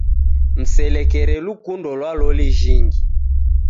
Mselekere lukundo lwa loli jhingi.